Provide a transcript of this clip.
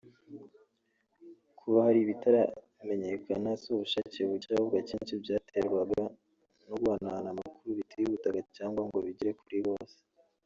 Kuba hari ibitaramenyekanaga si ubushake buke ahubwo akenshi byaterwaga no guhanahana amakuru bitihutaga cyangwa ngo bigere kuri bose